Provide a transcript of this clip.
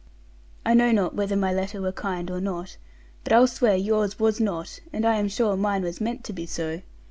I know not whether my letter were kind or not, but I'll swear yours was not, and am sure mine was meant to be so.